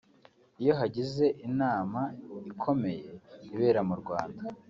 iyo hagize inama ikomeye ibera mu Rwanda